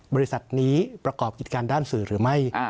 บริษัทนี้ประกอบกิจการด้านสื่อหรือไม่